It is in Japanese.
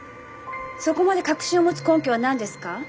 そこまで確信を持つ根拠は何ですか？